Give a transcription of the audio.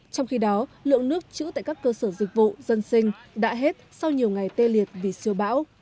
trong khi đó lượng nước trữ tại các cơ sở dịch vụ dân sinh đã hết sau nhiều ngày tê liệt vì siêu bão